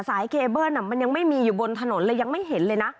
เคเบิ้ลมันยังไม่มีอยู่บนถนนเลยยังไม่เห็นเลยนะ